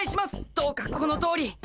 どうかこのとおり。